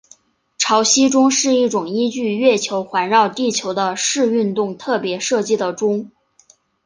潮汐钟是一种依据月球环绕地球的视运动特别设计的钟。